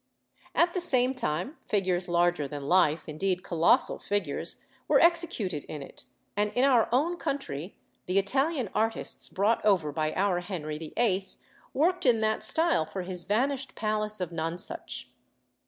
At the same time, figures larger than life, indeed colossal figures, were executed in it, and in our own country the Italian artists brought over by our Henry VIII. worked in that style for his vanished palace of Nonsuch.